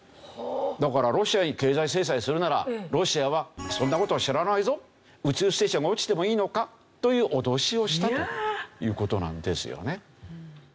だからロシアに経済制裁するならロシアはそんな事は知らないぞ宇宙ステーションが落ちてもいいのか？という脅しをしたという事なんですよね。